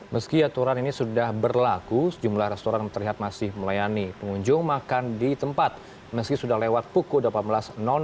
meski aturan ini sudah berlaku sejumlah restoran terlihat masih melayani pengunjung makan di tempat meski sudah lewat pukul delapan belas